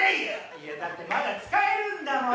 いやだってまだ使えるんだもの。